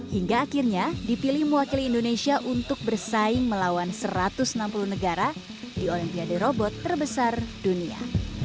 hingga akhirnya dipilih mewakili indonesia untuk bersaing melawan satu ratus enam puluh negara di olimpiade robot terbesar dunia